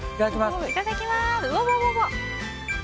いただきます。